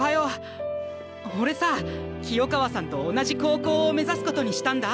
おれさ清川さんと同じ高校を目指すことにしたんだ！